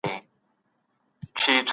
غیور ملت ته منسوب یم